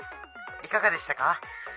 いかがでしたか？